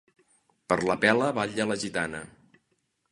Per la pela balla la gitana.